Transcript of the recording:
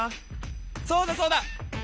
そうだそうだ！